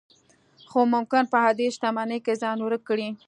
خو ممکن په همدې شتمنۍ کې ځان ورک کړئ.